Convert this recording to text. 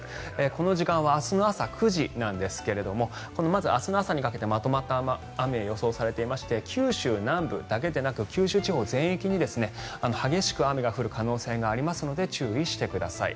この時間は明日の朝９時なんですがまず明日の朝にかけてまとまった雨が予想されていまして九州南部だけでなく九州地方全域に激しく雨が降る可能性がありますので注意してください。